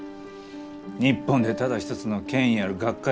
日本でただ一つの権威ある学会だからね。